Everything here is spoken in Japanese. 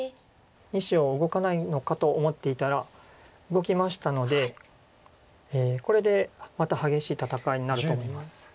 ２子を動かないのかと思っていたら動きましたのでこれでまた激しい戦いになると思います。